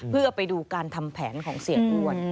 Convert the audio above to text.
เพื่อไปดูการทำแผนของเสียอ้วน